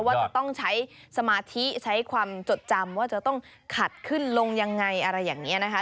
ว่าจะต้องใช้สมาธิใช้ความจดจำว่าจะต้องขัดขึ้นลงยังไงอะไรอย่างนี้นะคะ